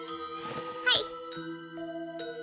はい。